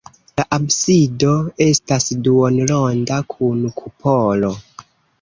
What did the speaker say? La absido estas duonronda kun kupolo.